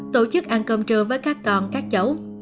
tổ chức ăn cơm trưa với các con các cháu